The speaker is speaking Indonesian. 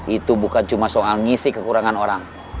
itu bukan cuma soal ngisi kekurangan orang